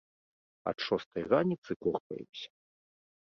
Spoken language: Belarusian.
Ад шостай раніцы корпаемся.